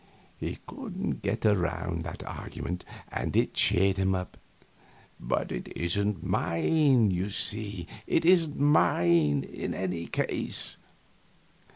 He couldn't get around that argument, and it cheered him up. "But it isn't mine, you see it isn't mine, in any case."